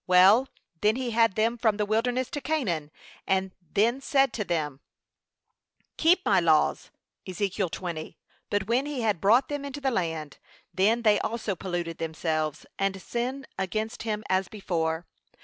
Well, then he had them from the wilderness to Canaan, and then said to them, Keep my laws. (Eze. 20) But when he had brought them into the land, then they also polluted themselves, and sinned, against him as before.